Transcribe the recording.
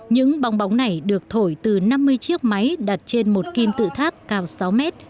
những bong bóng này được thổi từ năm mươi chiếc máy đặt trên một kim tự tháp cao sáu mét